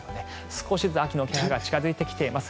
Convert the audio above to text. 少しずつ秋の気配が近付いてきています。